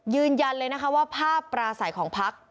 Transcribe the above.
ยืนยันเลยนะคะว่าภาพปราศัยของพัก